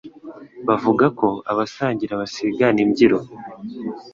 bavuga ko Abasangira basigana imbyiro.